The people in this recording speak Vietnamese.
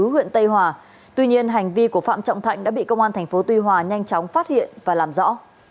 huyện tây hòa tuy nhiên hành vi của phạm trọng thạnh đã bị công an tp tuy hòa nhanh chóng phát hiện và làm rõ